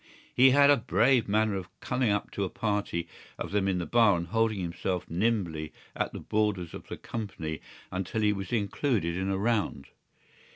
He had a brave manner of coming up to a party of them in a bar and of holding himself nimbly at the borders of the company until he was included in a round.